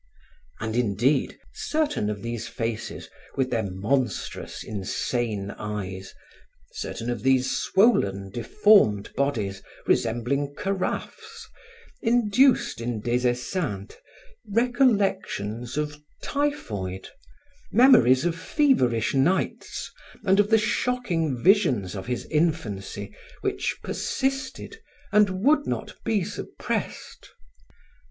And, indeed, certain of these faces, with their monstrous, insane eyes, certain of these swollen, deformed bodies resembling carafes, induced in Des Esseintes recollections of typhoid, memories of feverish nights and of the shocking visions of his infancy which persisted and would not be suppressed.